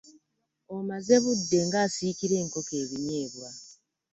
Omaze budde ng'asiikira enkoko ebinyeebwa.